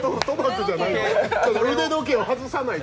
腕時計を外さないと。